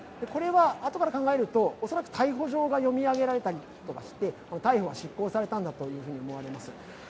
あとから考えてみますと恐らく逮捕状が読み上げられて、逮捕が執行されたんだと思われます。